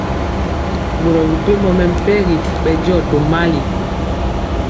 Boro mepempɔ mɛmpegi bɛndiɔ tomali.